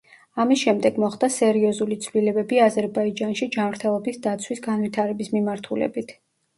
ამის შემდეგ მოხდა სერიოზული ცვლილებები აზერბაიჯანში ჯანმრთელობის დაცვის განვითარების მიმართულებით.